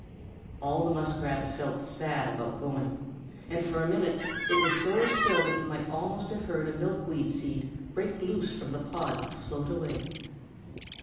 All the Muskrats felt sad about going, and for a minute it was so still that you might almost have heard a milkweed seed break loose from the pod and float away.